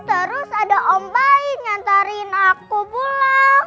terus ada om baik nyantarin aku pulang